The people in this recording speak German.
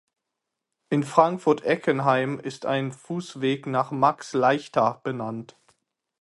In Frankfurt-Eckenheim ist ein Fußweg nach Max Leichter benannt.